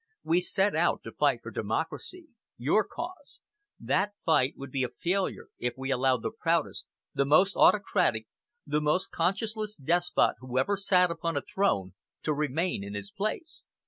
"We set out to fight for democracy your cause. That fight would be a failure if we allowed the proudest, the most autocratic, the most conscienceless despot who ever sat upon a throne to remain in his place."